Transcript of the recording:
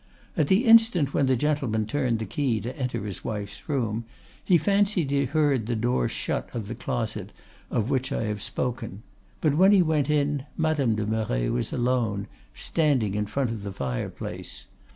"At the instant when the gentleman turned the key to enter his wife's room, he fancied he heard the door shut of the closet of which I have spoken; but when he went in, Madame de Merret was alone, standing in front of the fireplace.